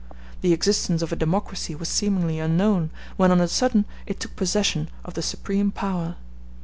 The existence of a democracy was seemingly unknown, when on a sudden it took possession of the supreme power.